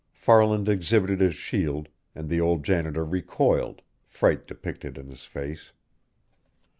Farland exhibited his shield, and the old janitor recoiled, fright depicted in his face.